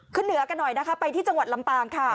ขึ้นเหนือกันหน่อยนะคะไปที่จังหวัดลำปางค่ะ